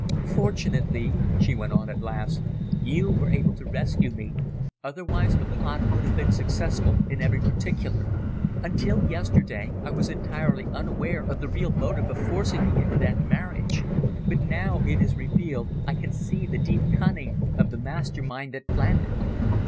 "Fortunately," she went on at last, "you were able to rescue me, otherwise the plot would have been successful in every particular. Until yesterday, I was entirely unaware of the real motive of forcing me into that marriage, but now it is revealed I can see the deep cunning of the master mind that planned it.